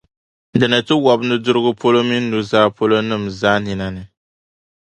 di ni ti wɔbi nudirigu polo mini nuzaa polo nim’ zaa nina ni.